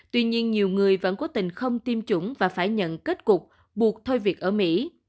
tuy nhiên nhiều người vẫn cố tình không tiêm chủng và phải nhận kết cục buộc thôi việc ở mỹ